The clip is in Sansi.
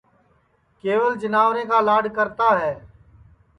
کیول جیناورے کا لاڈؔ کرتا ہے